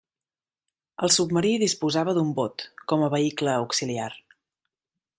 El submarí disposava d'un bot, com a vehicle auxiliar.